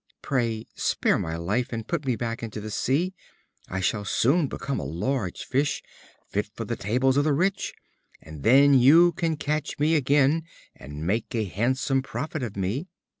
Pray spare my life, and put me back into the sea. I shall soon become a large fish, fit for the tables of the rich; and then you can catch me again, and make a handsome profit of me."